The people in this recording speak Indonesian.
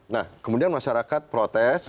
nah kemudian masyarakat protes